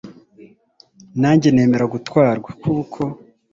nanjye nemera gutwarwa, kuko